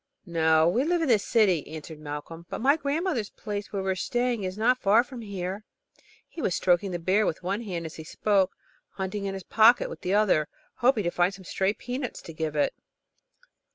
"No, we live in the city," answered Malcolm, "but my grandmother's place, where we are staying, is not far from here." He was stroking the bear with one hand as he spoke, and hunting in his pocket with the other, hoping to find some stray peanuts to give it.